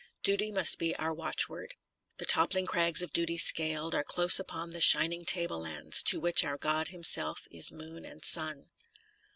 Duty must be our watchword : The toppKng crags of Duty scaled Are close upon the shining tablelands To which our God Himself is moon and sun.